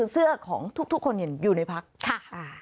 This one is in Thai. ทุกคนเห็นอยู่ในพักค่ะ